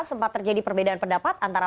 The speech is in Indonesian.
sempat terjadi perbedaan pendapat antara